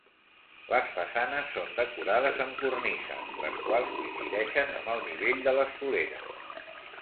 Les façanes són decorades amb cornises, les quals coincideixen amb el nivell de les soleres.